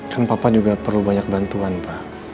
kan papa juga perlu banyak bantuan pak